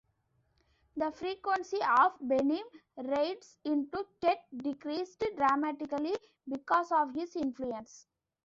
The frequency of Paynim raids into Ket decreased dramatically because of his influence.